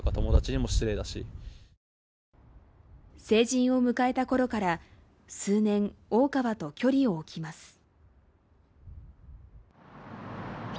成人を迎えたころから数年、大川と距離を置きます。